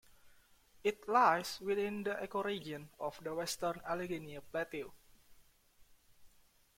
It lies within the ecoregion of the Western Allegheny Plateau.